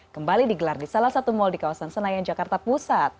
kembali digelar di salah satu mal di kawasan senayan jakarta pusat